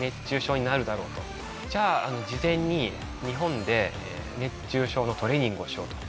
じゃあ事前に日本で熱中症のトレーニングをしようという事で日本で。